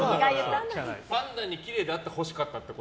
パンダにきれいであってほしかったと？